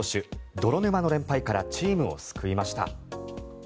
泥沼の連敗からチームを救いました。